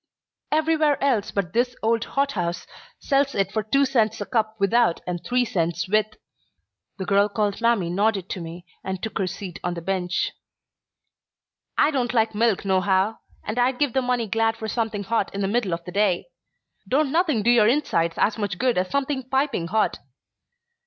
"Everywhere else but this old hothouse sells it for two cents a cup without, and three cents with." The girl called Mamie nodded to me and took her seat on the bench. "I don't like milk nohow, and I'd give the money glad for something hot in the middle of the day. Don't nothing do your insides as much good as something piping hot.